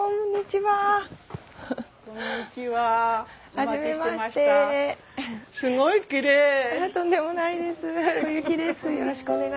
はい。